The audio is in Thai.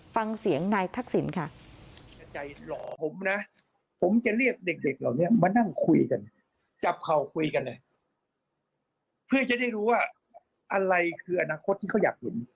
ฟังเสียงนายทักษิณค่ะ